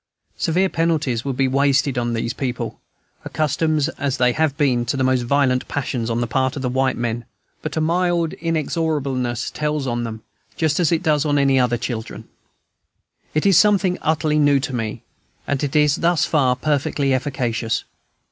Severe penalties would be wasted on these people, accustomed as they have been to the most violent passions on the part of white men; but a mild inexorableness tells on them, just as it does on any other children. It is something utterly new to me, and it is thus far perfectly efficacious.